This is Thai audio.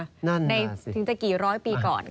ในถึงจะกี่ร้อยปีก่อน